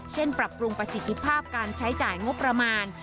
ปรับปรุงประสิทธิภาพการใช้จ่ายงบประมาณ